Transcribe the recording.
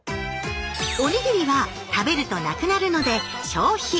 おにぎりは食べると無くなるので「消費」。